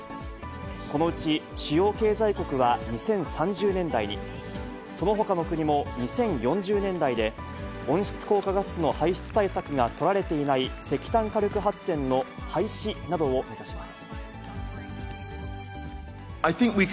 このうち、主要経済国は２０３０年代に、そのほかの国も２０４０年代で、温室効果ガスの排出対策が取られていない石炭火力発電の廃止などを目指します。